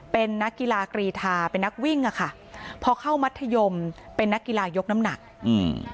เป็นนักกีฬากรีธาเป็นนักวิ่งอ่ะค่ะพอเข้ามัธยมเป็นนักกีฬายกน้ำหนักอืม